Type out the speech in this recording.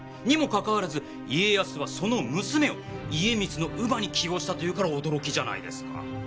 にもかかわらず家康はその娘を家光の乳母に起用したというから驚きじゃないですか。